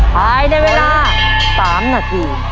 ภายในเวลา๓นาที